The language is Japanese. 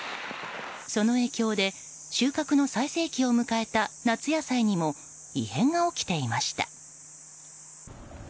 その影響で収穫の最盛期を迎えた夏野菜にも異変が起きていました。